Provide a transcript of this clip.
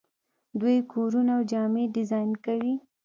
دوی کورونه او جامې ډیزاین کوي.